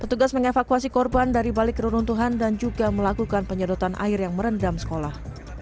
petugas mengevakuasi korban dari balik keruntuhan dan juga melakukan penyedotan air yang merendam sekolah